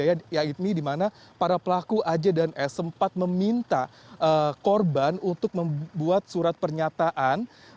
yaitu di mana para pelaku aj dan s sempat meminta korban untuk membuat surat pernyataan